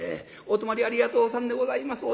「お泊まりありがとうさんでございます。